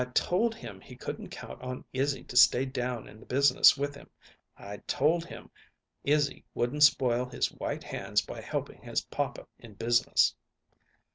"I told him he couldn't count on Izzy to stay down in the business with him. I told him Izzy wouldn't spoil his white hands by helping his papa in business."